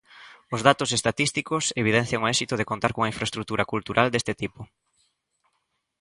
Os datos estatísticos evidencian o éxito de contar cunha infraestrutura cultural deste tipo.